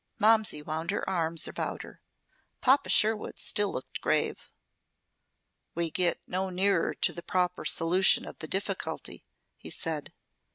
Momsey wound her arms about her. Papa Sherwood still looked grave. "We get no nearer to the proper solution of the difficulty," he said.